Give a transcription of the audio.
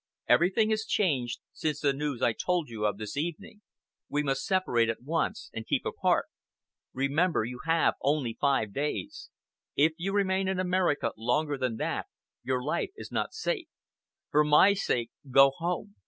"Everything is changed since the news I told you of this evening. We must separate at once, and keep apart. Remember you have only five days. If you remain in America longer than that, your life is not safe. "For my sake, go home!